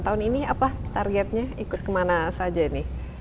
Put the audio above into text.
tahun ini apa targetnya ikut kemana saja ini